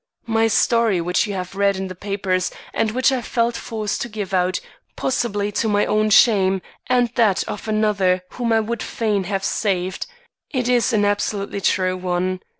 My story which you have read in the papers and which I felt forced to give out, possibly to my own shame and that of another whom I would fain have saved, is an absolutely true one.